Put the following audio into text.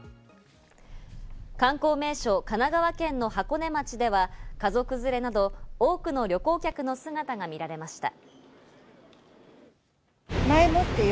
観光名所、神奈川県の箱根町では家族連れなど多くの旅行客の姿が見られました。